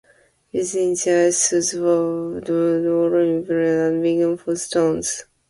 Within the aisles were further holes interpreted as being for stones.